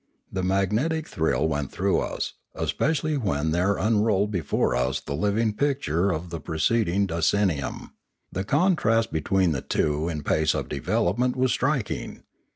A magnetic thrill went through us, especially when there unrolled before us the living picture of the pre ceding decennium; the contrast between the two in pace of development was striking.